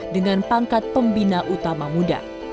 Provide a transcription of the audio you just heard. dengan pangkat pembina utama muda